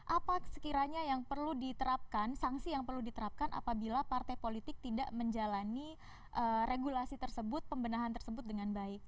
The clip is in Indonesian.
apa sekiranya yang perlu diterapkan sanksi yang perlu diterapkan apabila partai politik tidak menjalani regulasi tersebut pembenahan tersebut dengan baik